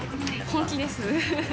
本気です。